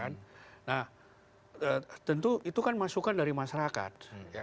nah tentu itu kan masukan dari masyarakat